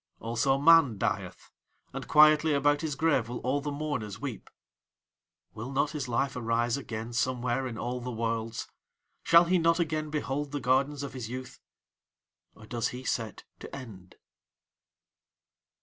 "Also man dieth. And quietly about his grave will all the mourners weep. "Will not his life arise again somewhere in all the worlds? Shall he not again behold the gardens of his youth? Or does he set to end?"